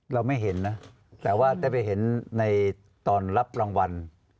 เราไม่เห็นนะแต่ว่าได้ไปเห็นในตอนรับรางวัล